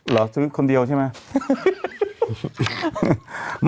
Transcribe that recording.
เหรอซื้อคนเดียวใช่ไหม